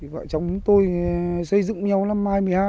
vợ chồng tôi xây dựng nhau năm hai nghìn một mươi hai